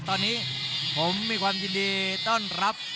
ตอนนี้ผมมีความยินดีต้อนรับ